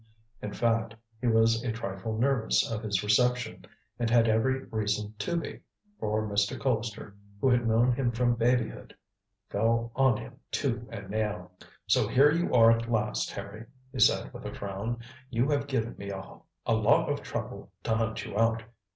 In fact, he was a trifle nervous of his reception, and had every reason to be, for Mr. Colpster, who had known him from babyhood, fell on him tooth and nail. "So here you are at last, Harry," he said, with a frown. "You have given me a lot of trouble to hunt you out.